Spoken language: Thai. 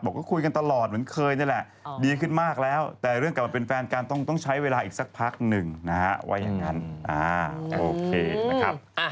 คุยกันตลอดเหมือนเคยนี่แหละดีขึ้นมากแล้วแต่เรื่องกลับมาเป็นแฟนกันต้องใช้เวลาอีกสักพักหนึ่งนะฮะว่าอย่างนั้นโอเคนะครับ